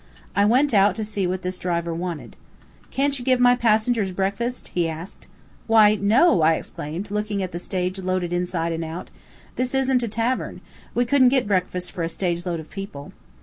I went out to see what this driver wanted. "Can't you give my passengers breakfast?" he asked. "Why, no!" I exclaimed, looking at the stage loaded inside and out. "This isn't a tavern. We couldn't get breakfast for a stage load of people."